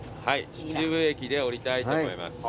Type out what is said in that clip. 秩父駅で降りたいと思います。